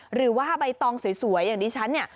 หรือว่าใบตองสวยอย่างดิฉันเนี่ย